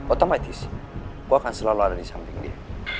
otomatis gue akan selalu ada di samping dia